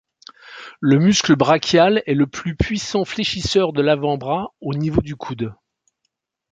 Le muscle brachial est le plus puissant fléchisseur de l'avant-bras au niveau du coude.